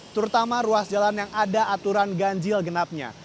terutama ruas jalan yang ada aturan ganjil genapnya